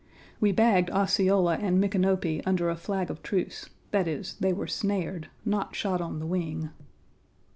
We bagged Osceola and Micanopy under a flag of truce that is, they were snared, not shot on the wing.